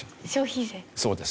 そうです。